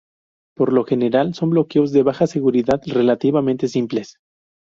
Por lo general, son bloqueos de baja seguridad relativamente simples.